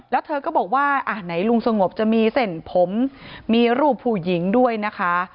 แล้วเธอก็บอกว่าอ่ะไหนลุงสงบจะมีเส้นผมมีรูปผู้หญิงด้วยนะคะ